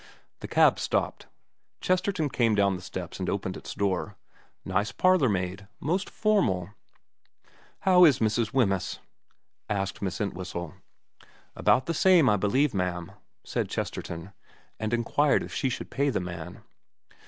The cab stopped. Chesterton came down the steps and opened its door. Nice parlourmaid. Most normal. * How is Mrs. Wemyss ?' asked Miss Entwhistle. ' About the same I believe, ma'am,' said Chesterton ; and inquired if she should pay the man.